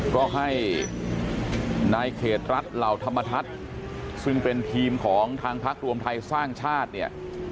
ก็ให้นายเขตรัฐเหล่าธรรมทัศน์ซึ่งเป็นทีมของทางพักรวมไทยสร้างชาติเนี่ย